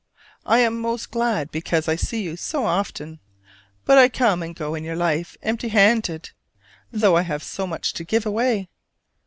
I am most glad because I see you so often: but I come and go in your life empty handed, though I have so much to give away.